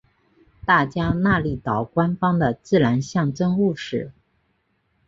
大加那利岛官方的自然象征物是。